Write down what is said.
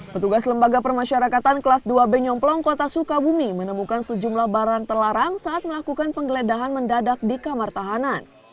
petugas lembaga permasyarakatan kelas dua b nyomplong kota sukabumi menemukan sejumlah barang terlarang saat melakukan penggeledahan mendadak di kamar tahanan